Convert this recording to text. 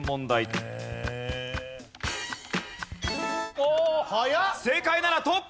おお正解ならトップ！